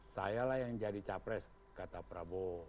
sayalah yang jadi capres kata prabowo